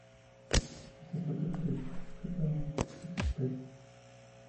Es un plato corriente que se prepara en muchos países.